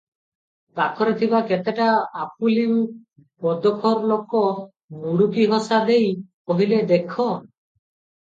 ପାଖରେ ଥିବା କେତୋଟା ଆପୁଲି ବଦଖୋର ଲୋକ ମୁଡ଼ୁକିହସାଦେଇ କହିଲେ- "ଦେଖ!